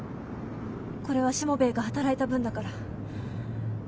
これはしもべえが働いた分だから。